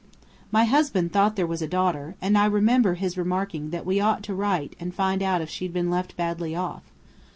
My husband thought there was a daughter, and I remember his remarking that we ought to write and find out if she'd been left badly off.